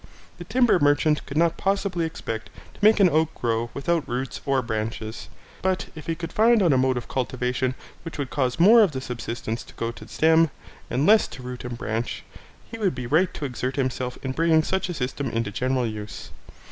The timber merchant could not possibly expect to make an oak grow without roots or branches, but if he could find out a mode of cultivation which would cause more of the substance to go to stem, and less to root and branch, he would be right to exert himself in bringing such a system into general use.